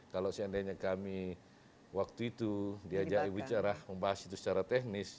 kalau seandainya kami waktu itu diajak bicara membahas itu secara teknis